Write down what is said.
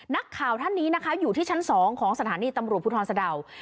นักข่าวท่านนี้นะคะอยู่ที่ชั้น๒ของสถานีตำรวจภูทรสะดาว